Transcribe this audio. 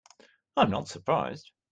I am not surprised.